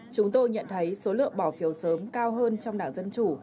chúng tôi nhận thấy số lượng bỏ phiếu sớm cao hơn trong đảng dân chủ